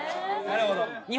なるほど。